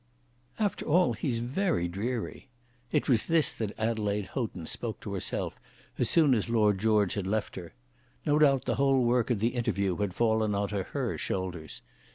"After all, he's very dreary!" It was this that Adelaide Houghton spoke to herself as soon as Lord George had left her. No doubt the whole work of the interview had fallen on to her shoulders.